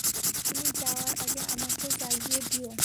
তুমি যাওয়ার আগে আমাকে জাগিয়ে দিও।